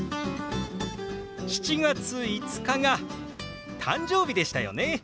７月５日が誕生日でしたよね。